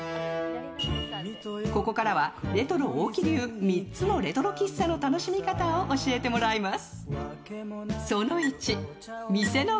ここからはレトロ大木流３つのレトロ喫茶の楽しみ方を教えてもらいます。